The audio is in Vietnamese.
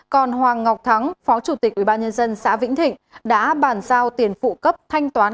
còn hoàng ngọc thắng phó chủ tịch ubnd xã vĩnh thịnh đã bàn giao tiền phụ cấp thanh toán